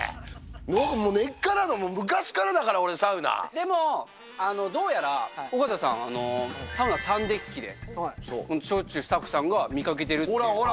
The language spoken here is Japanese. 僕根っからの、僕、昔からだからでも、どうやら尾形さん、サウナサンデッキで本当、シューイチのスタッフさんが見かけてるっていう。